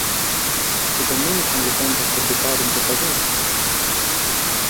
Του το μήνυσαν λοιπόν πως θα του πάρουν το παιδί;